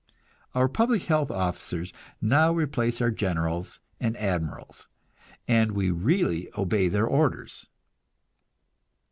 Our public health officers now replace our generals and admirals, and we really obey their orders.